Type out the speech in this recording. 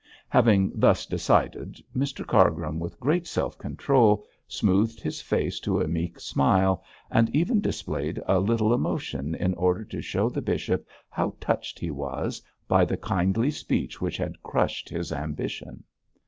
Having thus decided, Mr Cargrim, with great self control, smoothed his face to a meek smile, and even displayed a little emotion in order to show the bishop how touched he was by the kindly speech which had crushed his ambition.